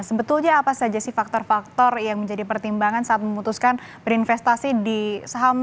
sebetulnya apa saja sih faktor faktor yang menjadi pertimbangan saat memutuskan berinvestasi di saham